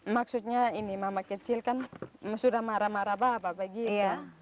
maksudnya ini mama kecil sudah marah marah baba begitu